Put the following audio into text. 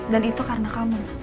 dan itu karena kamu